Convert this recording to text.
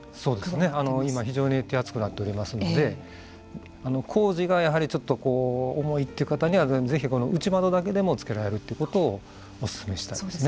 今、非常に手厚くなっておりますので工事がやはりちょっとこう重いという方にはぜひ、この内窓だけでも付けられるということをお勧めしたいですね。